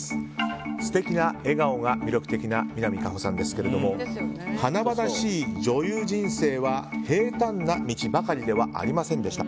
素敵な笑顔が魅力的な南果歩さんですが華々しい女優人生は平坦な道ばかりではありませんでした。